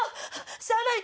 ⁉しゃあない！